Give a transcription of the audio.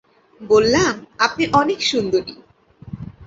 বললাম আপনি অনেক সুন্দরী।